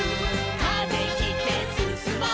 「風切ってすすもう」